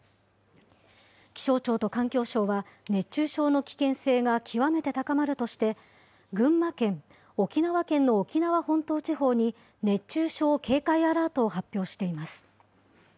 気象庁と環境省は熱中症の危険性が極めて高まるとして、群馬県、沖縄県の沖縄本島地方に熱中症警戒アラートを発表しています。